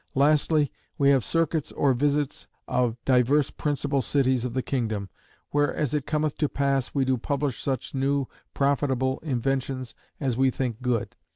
"Lastly, we have circuits or visits of divers principal cities of the kingdom; where, as it cometh to pass, we do publish such new profitable inventions as we think good.